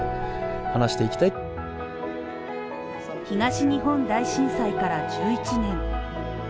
東日本大震災から１１年。